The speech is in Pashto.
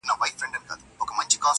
دا له هغه مرورو مرور دی_